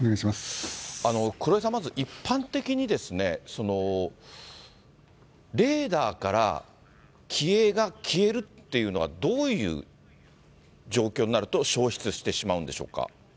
黒井さん、まず一般的にですね、レーダーから機影が消えるっていうのは、どういう状況になると消失してしまうんでしょうか。